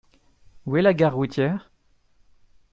Où est la gare routière ?